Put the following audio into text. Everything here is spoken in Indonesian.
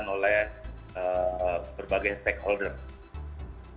dan juga terima kasih kepada bapak kapolri yang sudah menunjukkan juga